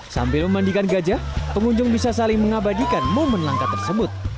sambil memandikan gajah pengunjung bisa saling mengabadikan momen langka tersebut